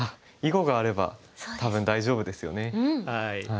囲碁があれば多分大丈夫ですよね。